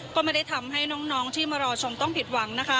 ก็ไม่ได้ทำให้น้องที่มารอชมต้องผิดหวังนะคะ